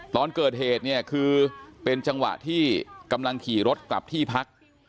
ตอนเกิดเหตุเนี่ยคือเป็นจังหวะที่กำลังขี่รถกลับที่พัก